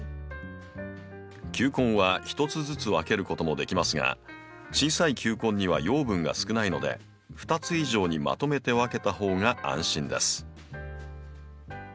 球根は１つずつ分けることもできますが小さい球根には養分が少ないので２つ以上にまとめて分けた方が安心です。